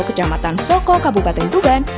kecamatan soko kabupaten tuban